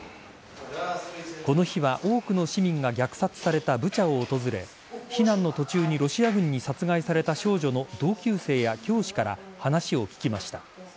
この日は多くの市民が虐殺されたブチャを訪れ避難の途中にロシア軍に殺害された少女の同級生や教師から話を聞きました。